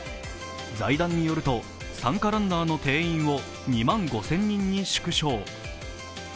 財団によると、参加ランナーの定員を２万５０００人に縮小。